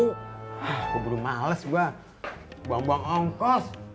gue bener males gue buang buang ongkos